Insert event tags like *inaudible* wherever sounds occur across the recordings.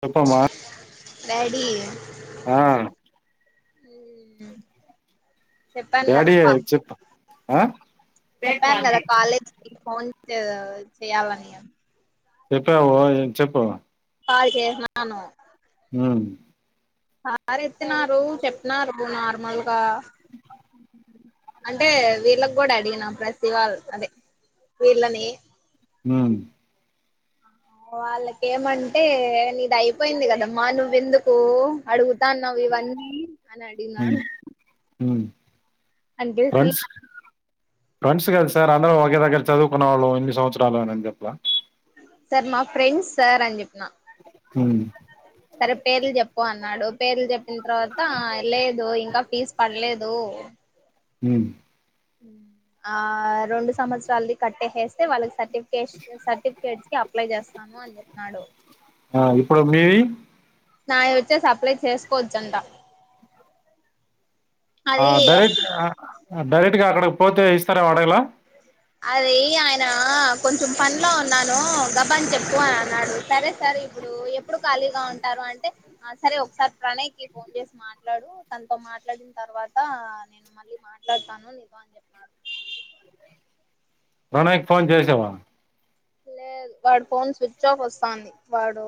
చెప్పమ్మా డాడీ ఆ చెప్పాను డాడీ కదా చెప్పు ఆ చెప్పాను కదా కాలేజ్కి ఫోన్ చేయాలని చెప్పావు ఏం చెప్పు. కాల్ చేసినాను. ఉమ్ సార్ ఎత్తినారు చెప్పినారు నార్మల్గా అంటే వీళ్ళకి కూడా అడిగిన ప్రతి ఇవాళ అదే వీళ్ళని హ్మ్ వాళ్ళకేమంటే నీది అయిపోయింది కదమ్మా నువ్వెందుకు అడుగుతాన్నావ్ ఇవన్నీ అని అడిగినాడు. హ్మ్ ఈ విల్ గివ్ సీట్ అన్నా ఫ్రెండ్స్ కదా సార్ అందరం ఒకే దగ్గర చదువుకున్నవాళ్ళు ఎన్ని సంవత్సరాలు అని చెప్పలా. సార్ మా ఫ్రెండ్స్ సార్ అని చెప్పిన. హమ్. సరే పేర్లు చెప్పు అన్నాడు పేర్లు చెప్పిన తర్వాత లేదు ఇంకా ఫీజు పడలేదు. *inaudible* హ్మ్. ఆ రెండు సంవత్సరాలిది కట్టేసేస్తే వాళ్ళకి సర్టీ. ఇన్ కేస్ సర్టిఫికేట్ కి అప్లై చేస్తాను అని చెప్పినాడు. ఆ, ఇప్పుడు మీవి. నావి వచ్చేసి అప్లై చేసుకోవచ్చంట. ఆ అది డైరెక్ట్ డైరెక్ట్ గా అక్కడ పోతే ఇస్తారెమో అడగలా. అది ఆయన కొంచెం పనిలో ఉన్నాను గబా అని చెప్పు అని అన్నాడు సరే సార్. ఇప్పుడు ఎప్పుడు ఖాళీగా ఉంటారు అంటే సరే ఒకసారి ప్రణయ్ కి ఫోన్ చేసి మాట్లాడు తనతో. మాట్లాడిన తర్వాత నేను మళ్ళీ మాట్లాడతాను నీతో అని చెప్పినాడు. ప్రణయ్ కి ఫోన్ చేసావా. వాడు ఫోన్ స్విచ్ ఆఫ్ వస్తుంది వాడు.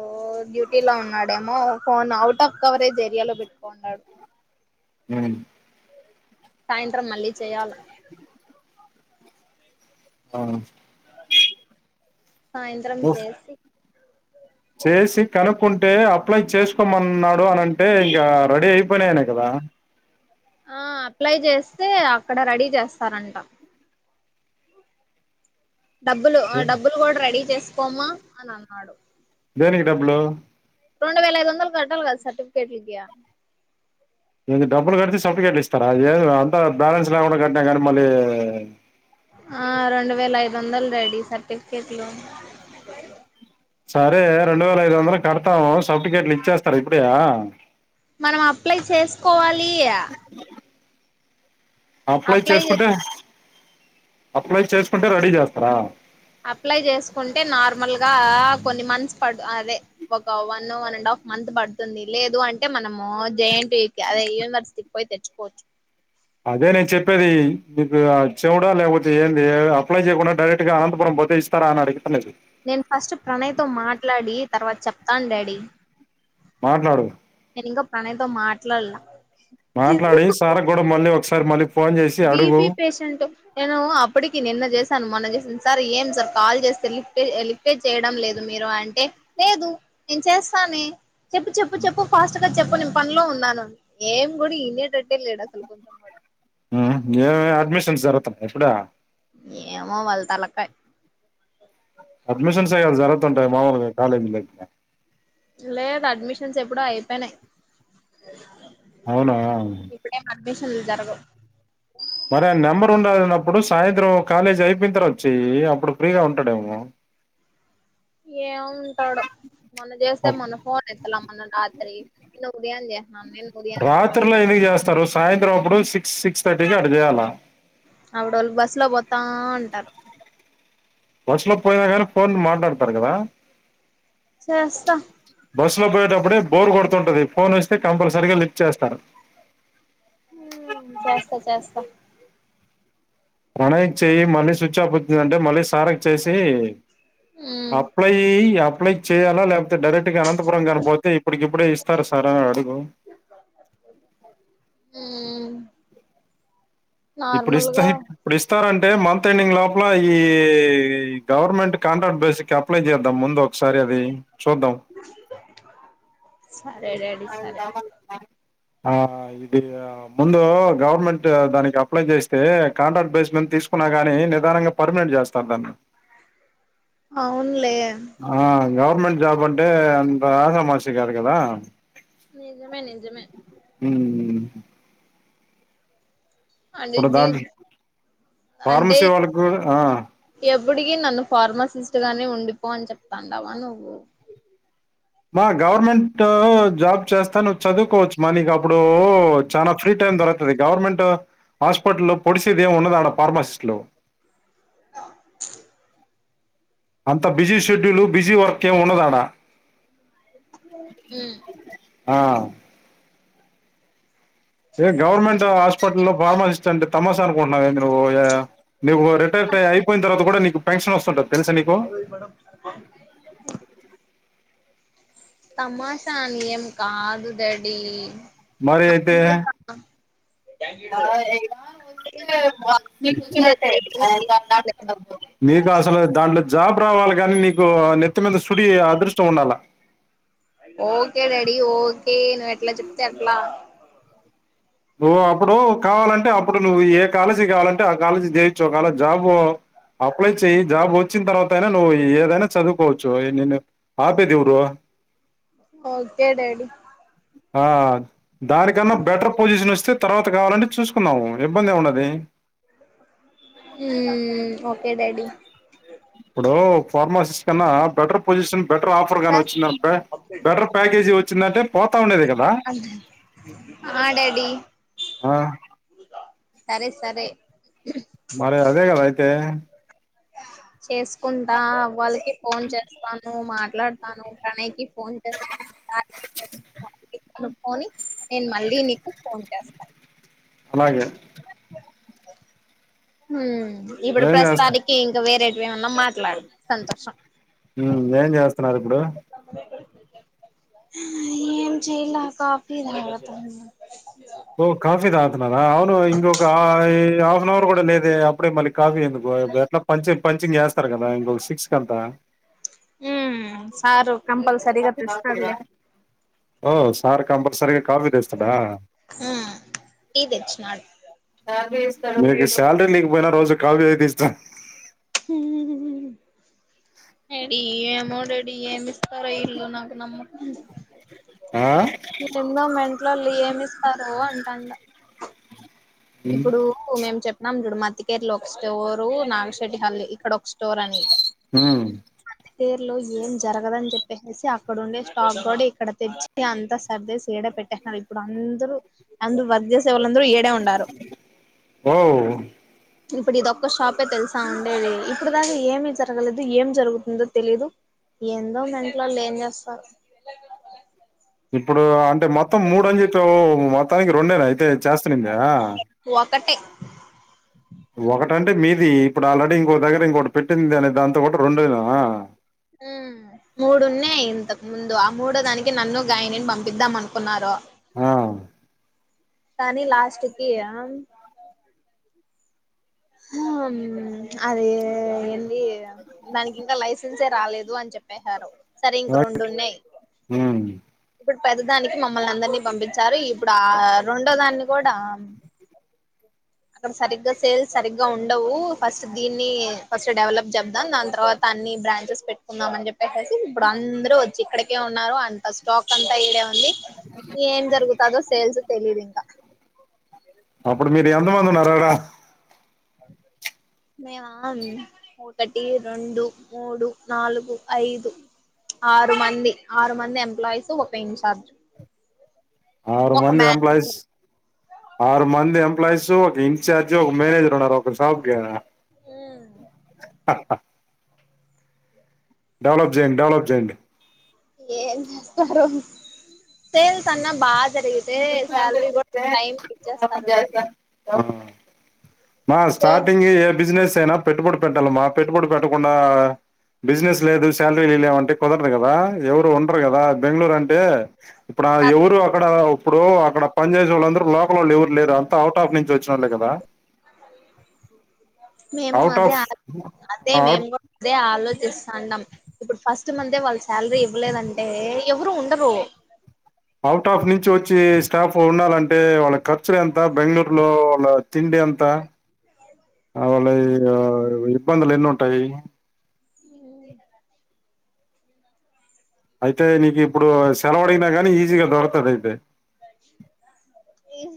డ్యూటీ లో ఉన్నాడేమో ఫోన్ అవుట్ ఆఫ్ కవరేజ్ ఏరియాలో పెట్టుకో ఉన్నాడు. హమ్. సాయంత్రం మళ్ళీ చెయాలి. ఆ. సాయంత్రం ఉఫ్. చేసి. చేసి కనుక్కుంటే అప్లై చేసుకోమన్నాడు అన అంటే ఇంకా రెడీ అయిపోయినాయనే కదా. ఆ. ఆ అప్లై చేస్తే అక్కడ రెడీ చేస్తారంట. డబ్బులు ఏ- డబ్బులు కూడా రెడీ చేసుకోమా అని అన్నాడు. దేనికి డబ్బులు. రెండు వేల ఐదు వందలు కట్టాలి కదా సర్టిఫికేట్లకి. ఏంది డబ్బులు కడితే సర్టిఫికేట్లు ఇస్తారా అది ఏ అంతా బ్యాలెన్స్ లేకుండా కట్టినా కానీ మళ్ళీ. ఆ రెండు వేల ఐదు వందలు రెడి సర్టిఫికెట్లు. సరే రెండు వేల ఐదు వందలు కడతాము సర్టిఫికెట్లు ఇచ్చేస్తారు ఇప్పుడయా. మనం అప్లై చేసుకోవాలి. అప్లై చేసుకుంటే అప్లై చేసుకుంటే రెడీ చేస్తారా. అప్లై చేసుకుంటే నార్మల్ గా. కొన్ని మంత్స్ ప అదే ఒక one one and half month పడుతుంది లేదు అంటే మనము జ. అదే యూనివర్సిటీకి పోయి తెచ్చపోచ్చు. అదే నేను చెప్పేది మీకు చెవుడా లేకపోతే ఏంది అప్లై చేయకుండా డైరెక్ట్ గా అనంతపురం. పోతే ఇస్తర అడుడికి తెదు. నేను ఫస్ట్ ప్రణయ్ తో మాట్లాడి తర్వాత చెప్ప. చెప్తాను డాడీ మాట్లాడు నేను ఇంకా ప్రణయ్ త మాట్లాడలా. మాట్లాడి సార కూడా మళ్ళీ ఒకసారి మళ్ళీ. ఫోన్ చేసి అడుగు బీబి పేషెంట్ నేను అప్పటికి నిన్న చేసాను మొన్న చేసాను. సార్ ఏం సార్ కాల్ చేస్తే లిఫ్ లిఫ్టేట్ చేయడం లేదు మీరు అంటే లేదు నేను చేస్తాను. చేస్తానె చెప్పు చ చెప్పు చెప్పు ఫాస్ట్. ఇంకా చెప్పు నేను పనిలో ఉన్నాను ఏం కూడా ఈనేటట్టే లేడు అసలు కొంచెం కూడా. ఏవైనా అడ్మిషన్స్ జరుగుతాం ఎప్పుడ. ఏమో వాళ్ళ తలకా. అడ్మిషన్స్ అవి జరుగుతూ ఉంటాయి మామూలుగా కాలేజ్లో లో. లేదు అడ్మిషన్స్ ఎప్పుడో అయిపోయినాయ్. అవునా. అడ్మిషన్లు జరగవు. మరి ఆయన నెంబర్ ఉండాలినప్పుడు సాయంత్రం కాలేజీ అయిపోయిన తరువాత చెయ్యి అప్పుడు ఫ్రీగా ఉంటాడేమో ఏం ఉంటాడో మొన్న చేస్తే మొన్న ఫోన్ ఎత్తలా మొన్న రాత్రి నిన్న ఉదయం చే రాత్రిలో ఎందుకు చేస్తారు సాయంత్రం అప్పుడు సిక్స్ సిక్స్ థర్టీకి అటు చేయాల అప్పుడు ఆళ్ళు బస్ లో పోతా ఉంటారు బస్ లో పోయినా కానీ ఫోన్లు మాట్లాడతారు కదా చేస్తా బస్సు లో పోయేటప్పుడే బోర్ కొడుతుంటుది ఫోన్ వస్తే కంపల్సరీగా లిఫ్ట్ చేస్తారు ఆ చేస్తా చేస్తా ప్రణయ్ కి చేయి మళ్ళీ స్విచ్ ఆఫ్ వచ్చిందంటే మళ్ళీ సార్కి చేసి మ్ అప్లై అప్లై చేయాలా లేక్ యితే డైరెక్ట్ గా అనంతపురం కాని పోతే ఇప్పుడికి ఇప్పుడే ఇస్తారా సార్ అని అడుగు హ్మ్ ఇప్పుడు ఇస్తే ఇప్పుడు ఇస్తారంటే టే మంత్ ఎండింగ్ లోపల ఈ గవర్నమెంట్ కాంట్రాక్ట్ బేసి కి అప్లై చేద్దాం ముందు ఒకసారి అది చూద్దాం సరే డాడి సరే ఆ ఇది ముందు గవర్నమెంట్ దానికి అప్లై చేస్తే కాంట్రాక్ట్ బేస్ మీద తీసుకున్నా గాని నిదానంగా పర్మినెంట్ చేస్తారు దాన్ని అవునులే గవర్మెంట్ జాబ్ అంటే అంత ఆషామాషీ కాదు కదా నిజమే నిజమే హ్మ్ అంటే దాంట్లో అంటే ఫార్మసీ వాళ్ళకి కూడా ఆ, ఏ ఇప్పటికి నన్ను ఫార్మసిస్ట్ గానే ఉండిపో అని చెప్తాండవా నువ్వు మా గవర్నమెంట్ జాబ్ చేస్తా నువ్వు చదువుకోవచ్చు మా నీకు అప్పుడు చాలా ఫ్రీ టైం దొరుకుతుంది గవర్నమెంట్ ట్ హాస్పిటల్ లో పొడిసేదేం ఉండదాడ ఫార్మాసిస్ట్లు ప్చ్ అంత బిజీ షెడ్యూలు బిజీ వర్కేం ఉండదాడా హ్మ్ ఆ ఏ గవర్నమెంట్ హాస్పిటల్లో ఫార్మసిస్ట్ అంటే తమాషా అనుకుంటున్నావేంది నువ్వు పోయ నువ్వు ఇది రిటైర్ అయిపోయిన తర్వాత కూడా నీకు పెన్షన్ వస్తుంటది తెలుసా నీకు? ఓయ్ మేడం తమాషా అని ఏమికాదు డాడి *inaudible* ఏం గాదు అసలు దాంట్లో జాబ్ రావాలిగాని నీకు నెత్తి మీద సుడి అదృష్టం ఉండాలా ఓకే డాడీ ఓకే నువు ఎట్లా చెప్తే అట్లా నువ్వు అప్పుడు కావాలంటే అప్పుడు నువ్వు ఏ కాలేజీ కావాలంటే ఆ కాలేజీ చేయచ్చు ఒకేళ జాబు అప్లై చెయ్యి జాబ్ వచ్చిన తర్వాత అయినా నువ్వు ఏదైనా చదువుకోవచ్చు నిన్ను ఆపేదెవరు ఒకే డాడీ ఆ దానీకన్న బెటర్ పొజిషన్ వస్తే తర్వాత కావాలంటే చూసుకున్నావు ఇబ్బంది ఏం ఉన్నది కే డాడీ ఇప్పుడు ఫార్మాసిస్ట్ కన్నా బెటర్ పొజిషన్ బెటర్ ఆఫర్ గానీ సార్ వచ్చిందంటే బెటర్ ప్యాకేజీ వచ్చిందంటే పోతా ఉండేది కదా ఆ డాడీ సరే సరే మరి అదేగద అయితే చేసుకుంటా వాళకి ఫోన్ చేస్తాను మాట్లాడతాను ప్రణయ్ కి ఫోన్ చేస్తా అనుకొని నేను మళ్ళీ నీకు ఫోన్ చేస్తాను అలాగే ఇప్పుడు ఏం చేస్త ప్రస్తుతానికి ఇంకా వేరే ఏమన్నా మాట్లాడు సంతోషం ఏం చేస్తున్నారు ఇప్పుడు ఏం చేయలా కాఫీ తాగుతున్నా ఓ కాఫీ తాతున్నారా అవును ఇంకొక హాఫ్ అన్ అవర్ కూడా లేదే అప్పుడే మళ్ళీ కాఫీ ఎందుకు ఎట్లా పంచి పంచింగ్ చేస్తారు కదా ఇంకో సిక్స్ క అంతా హుమ్ సారు కంపల్సరిగా తెస్తాడులే ఓ సార్ కాఫీ చేస్తాడా హ్మ్ టీ తెచ్చినాడు మీకు శాలరీ లేలీకపోయినా రోజు కాఫీ తీ ఇస్తాను అడిమోడడి అల నాకు నమ ఆ ఎన్నో మంట్లళు ఏమి ఇస్తారు అంట ఇప్పుడు మేము చెప్ నం చుడు మత్తికేర్లు ఒక స్టోరు నాగశెట్టి హల్ ఇక్కడ ఒక స్టోర్ అని హుమ్ పేర్లో ఏం జరగదని చెప్పేసి అక్కడండే స్టాక్ కూడా ఇక్కడ తెచ్చి అంత సర్వీస్డ పెట్టేస్తున్నారు ఇప్పుడు అందరూ అందరూ వద్యసే వాళ్ళందరూ ఏడే ఉన్నారు ఓ ఇప్పుడు ఇద ఒక్క షాపే తెలుసాం ఉండేది ఇప్పుడు దాకా ఏమి జరగలేదు ఏం జరుగుతుందో తెలీదు ఎందో మెట్లో వాళ్ళు ఏం చేస్తారు ఇప్పుడు అంటే మొత్తం మూడు అని చెప్పా మొత్తానికి రెండేనా అయితే చేస్తునుంద ఒకట్టటి ఒకటంటే మీది ఇప్పుడు ఆల్రెడీ ఇంకో దగ్గర ఇంకోకటి పెట్టింది అనే దాంతో కూడా రెండడునా మూడున్నే ఇంతకు ముందు ఆ మూడో దానికి నన్ను గాయనిని పంపిద్దాం అనుకున్నారు ఆ కానీ లాస్ట్కి అద ఏంటి దానికి ఇంకా లైసెన్సే రాలేదు అంటే చెప్పేశారు సరే ఇంక రెండున్నాయి ఉమ్ ఇప్పుడు పెద్దదానికి మమ్మల్ని అందరినీ పంపించారు ఇప్పుడు ఆ రెండో దాన్ని కూడా అక్కడ సరిగ్గా సేల్స్ సరిగ్గా ఉండవు ఫస్ట్ దీన్ని ఫస్ట్ డెవలప్ చెబదాం దాని తర్వాత అన్ని బ్రాంచెస్ పెట్టుకుందా అని చెప్పేసి ఇప్పుడు అందరుూ వచ్చి ఇక్కడికే ఉన్నారు అంత స్టాక్ అంతా ఇడే ఏం జరుగుతుదో సేల్స్ తెలిదు ఇంకా అ అంతమాందన్నారడా మే ఒకటి రెండు మూడు నాలుగు ఐదు ఆరు మంది ఆరు మంది ఎంప్లాయీస్ ఒక ఇన్ఛార్జ్ ఆరు ఒక మంది ఎంప్లాయిస్ మేనేజర్ ఆరు మంది ఎ ప్లైస్ ఒక ఇన్చార్జ్ ఒక మేనేజర్ ఉన్నారు ఒక షాప్ క ఆ డెవలప్ చేయండి డెవలప్ చేయండి ఏన్స్తరు సేల్ తన్న బా జరిగితే శాలరీ కూడా టైం ఇచ్చేస్తారు నను మా స్టార్టింగ్ ఏ బిజినెస్ అయినా పెట్టుబడి పెట్టాల మా పెట్టుబడి పెట్టకుండా బిజినెస్ లేదు శాలరీ లే లేవంటే కుదరరు కదా ఎవరు ఉండరు కదా బెంగళూరు అంటే ఇప్పుడు ఎవరు అక్కడ ఇప్పుడు అక్కడ పనిచేసే వాళ్ళంద అరు లోక వాళ్ళ ఎవరు లేరు అంత అవుట్ ఆఫ్ నుంచి వచ్చిన వాళ్లే కదా మేము అవుట్ అదే ఆఫ్ అదే అవుట్ మేము కూడా అదే ఆలోచ చేస్తన్నం ఇప్పుడు ఫస్ట్ మంతే వాళ్లు శాలరీ ఇవ్వలేదంటే ఎవరు ఉండరు అవుట్ ఆఫ్ నుంచి వచ్చి స్టాఫ్ ఉండాలంటే వాళ్ళ ఖర్చులు ఎంత బెంగళూరులో వాళ్ళ తిండి ఎంత వాళ్ళకి ఇబ్బందులు ఎన్ని ఉంటాయి అయితే నీకు ఇప్పుడు సెలవు అడిగినా గానీ ఈజీగా దొరకుతది అయితే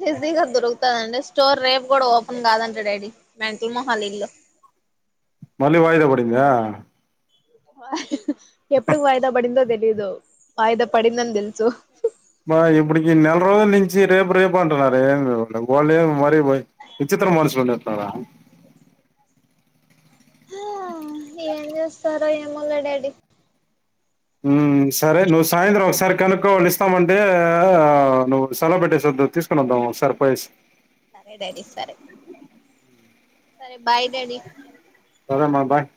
ఈజీగా దొరుకుతందండి స్టోర్ రేపు కూడా ఓపెన్ కాదంటడా మెంటల్ మొహల ఇల్లు మళ్ళీ వాయిదా పడిందా ఎప్పుడు వాయిదా పడిందో తెలియదు వాయిదా పడిందని తెలుసు అబ్బా ఇప్పుడుకి నెల రోజుల నుంచి రేపు రేపు అంటున్నారు ఏమి వీళ్ళు మరీ పోయి విళ్ళు విచిత్రంగా మనుషులంతా చేస్తారా ఆ ఏం చేస్తారో ఏమోలే డాడీ సరే నువ్వు సాయంత్రం ఒకసారి కనుక్కో వాళ్ళు ఇస్తామంటే ఆ నువ్వు సెలవు పెట్టేసి వద్దు తీసుకుని వద్దాము సర్పైజ్ సరే డాడి సరే సరే బాయ్ డాడి సరేమ్మా బాయ్